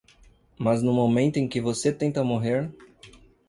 Mas no momento em que você tenta morrer